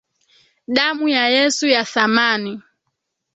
Damu ya Yesu ya thamani.